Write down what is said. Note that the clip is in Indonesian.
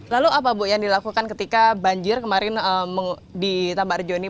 lalu apa bu yang dilakukan ketika banjir kemarin di tambak rejo ini